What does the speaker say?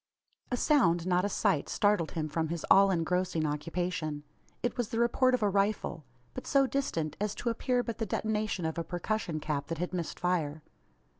A sound not a sight startled him from his all engrossing occupation. It was the report of a rifle; but so distant, as to appear but the detonation of a percussion cap that had missed fire.